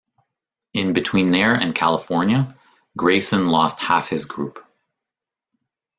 In between there and California, Grayson lost half his group.